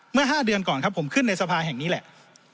เมื่อ๕เดือนก่อนครับผมขึ้นในสภาแห่งนี้แหละ